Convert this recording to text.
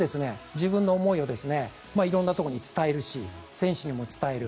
自分の思いを色んなところに伝えるし選手にも伝える。